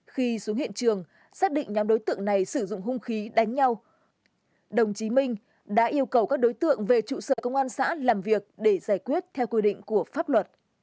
khi xuống hiện trường xác định nhóm đối tượng này sử dụng hung khí đánh nhau đồng chí minh đã yêu cầu các đối tượng về trụ sở công an xã làm việc để giải quyết theo quy định của pháp luật